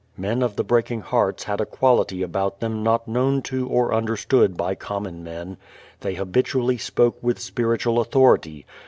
Men of the breaking hearts had a quality about them not known to or understood by common men. They habitually spoke with spiritual authority.